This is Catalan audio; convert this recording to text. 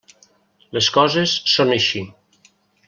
Les coses són així.